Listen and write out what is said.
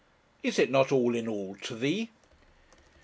Is it not all in all to thee?